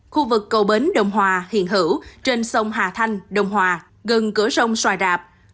khu vực cầu bến đồng hòa hiền hữu trên sông hà thanh đồng hòa gần cửa sông xoài rạp